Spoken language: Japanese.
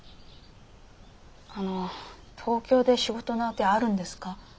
あの東京で仕事の当てあるんですか？